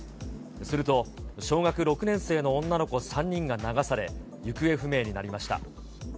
すると小学６年生の女の子３人が流され、行方不明になりました。